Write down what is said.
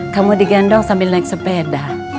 kamu digendong sambil naik sepeda